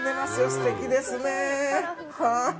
すてきですねはぁ。